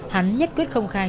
hắn nhất quyết không khai